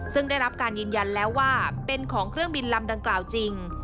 ซึ่งได้รับการยืนยันแล้วว่าเป็นของเครื่องบินลำดังกล่าวจริง